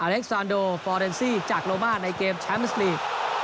เล็กซานโดฟอร์เรนซี่จากโลมาในเกมแชมป์ลีก